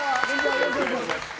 よろしくお願いします。